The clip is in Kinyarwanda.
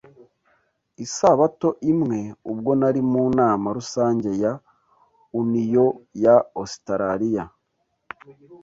Isabato imwe, ubwo nari mu Nama Rusange ya Uniyo ya Ositaraliya